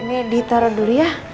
ini ditaruh dulu ya